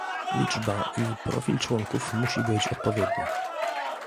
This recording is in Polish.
Liczba i profil członków musi być odpowiedni